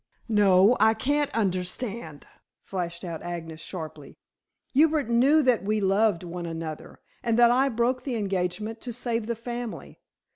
"No, I can't understand," flashed out Agnes sharply. "Hubert knew that we loved one another, and that I broke the engagement to save the family.